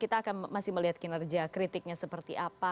kita akan masih melihat kinerja kritiknya seperti apa